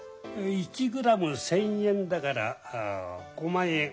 １グラム１，０００円だから５万円。